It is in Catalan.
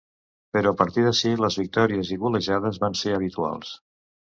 Però a partir d'ací, les victòries i golejades van ser habituals.